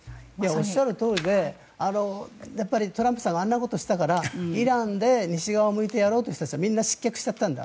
おっしゃるとおりでトランプさんがあんなことをしたからイランで西側を向いてやろうとしていた人たちはみんな失脚しちゃった。